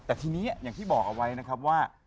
แต่ทีนี้อย่างที่บอกเอาไว้นะครับว่า